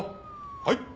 はい。